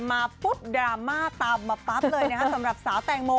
มาปุ๊บดราม่าตามมาปั๊บเลยนะคะสำหรับสาวแตงโม